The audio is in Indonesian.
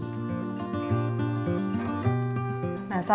seiring pembaruan stok inventori